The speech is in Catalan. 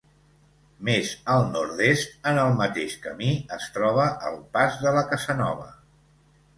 Més al nord-est, en el mateix camí, es troba el Pas de la Casanova.